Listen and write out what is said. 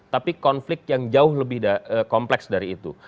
tapi konflik yang jauh lebih kompleks dari itu